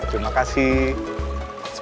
semoga selamat sampai tujuan